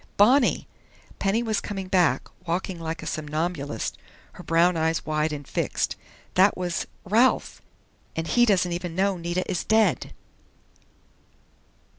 "Bonnie!" Penny was coming back, walking like a somnambulist, her brown eyes wide and fixed. "That was Ralph!... _And he doesn't even know Nita is dead!